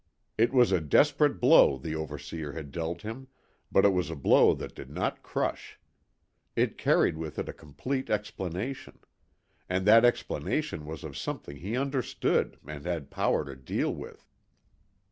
It was a desperate blow the overseer had dealt him; but it was a blow that did not crush. It carried with it a complete explanation. And that explanation was of something he understood and had power to deal with.